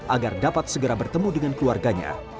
agar dapat segera bertemu dengan keluarganya